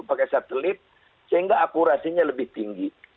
pakai satelit sehingga akurasinya lebih tinggi